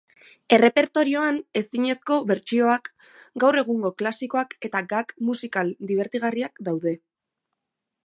Errepertorioan ezinezko bertsioak, gaur egungo klasikoak eta gag musikal dibertigarriak daude.